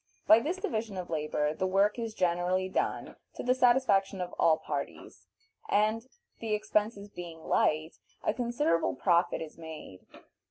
By this division of labor the work is generally done to the satisfaction of all parties, and, the expenses being light, a considerable profit is made.